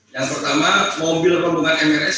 yang pertama mobil bendungan mrs